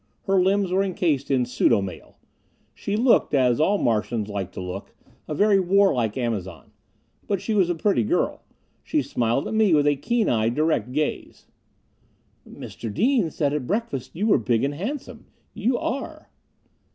Her limbs were encased in pseudo mail. She looked, as all Martians like to look, a very warlike Amazon. But she was a pretty girl. She smiled at me with a keen eyed, direct gaze. "Mr. Dean said at breakfast that you were big and handsome. You are."